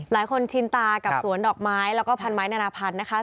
ชินตากับสวนดอกไม้แล้วก็พันไม้นานาพันธุ์นะคะ